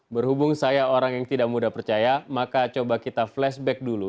berhubung saya orang yang tidak mudah percaya maka coba kita flashback dulu